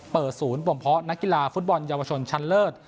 ศูนย์บ่มเพาะนักกีฬาฟุตบอลเยาวชนชั้นเลิศ